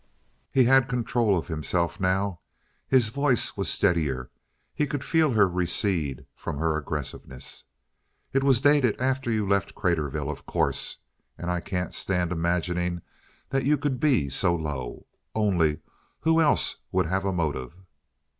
He had control of himself now. His voice was steadier. He could feel her recede from her aggressiveness. "It was dated after you left Craterville, of course. And I can't stand imagining that you could be so low. Only, who else would have a motive?"